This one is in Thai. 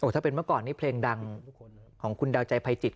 ถ้าเป็นเมื่อก่อนนี้เพลงดังของคุณดาวใจภัยจิต